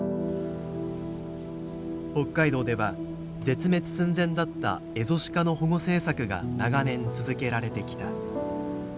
北海道では絶滅寸前だったエゾシカの保護政策が長年続けられてきた。